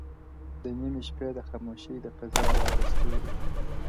• د نيمي شپې د خاموشۍ د فضا واړه ستـوري،